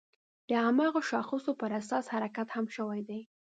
د هماغه شاخصو پر اساس حرکت هم شوی دی.